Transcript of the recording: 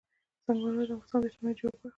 سنگ مرمر د افغانستان د اجتماعي جوړښت برخه ده.